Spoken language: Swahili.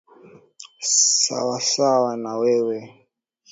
Sawasawa na wewe.